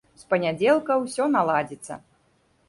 З панядзелка ўсё наладзіцца.